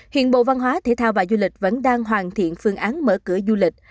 hiện bộ văn hóa thể thao và du lịch vẫn đang hoàn thiện phương án mở cửa du lịch